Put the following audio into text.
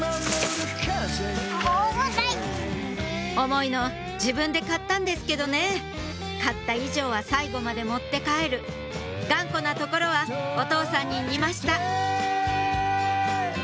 重いの自分で買ったんですけどね買った以上は最後まで持って帰る頑固なところはお父さんに似ました